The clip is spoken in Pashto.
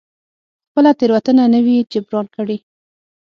خپله تېروتنه نه وي جبران کړې.